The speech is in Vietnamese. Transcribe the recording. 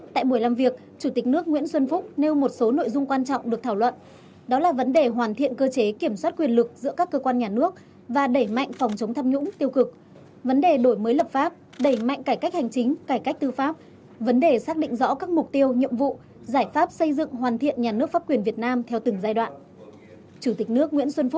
tại buổi làm việc chủ tịch nước nguyễn xuân phúc nêu một số nội dung quan trọng được thảo luận đó là vấn đề hoàn thiện cơ chế kiểm soát quyền lực giữa các cơ quan nhà nước và đẩy mạnh phòng chống tham nhũng tiêu cực vấn đề đổi mới lập pháp đẩy mạnh cải cách hành chính cải cách tư pháp vấn đề xác định rõ các mục tiêu nhiệm vụ giải pháp xây dựng hoàn thiện nhà nước pháp quyền việt nam theo từng giai đoạn